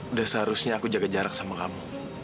udah seharusnya aku jaga jarak sama kamu